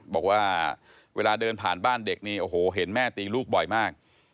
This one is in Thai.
บอกว่าเวลาเดินผ่านบ้านเด็กนี่โอ้โหเห็นแม่ตีลูกบ่อยมาก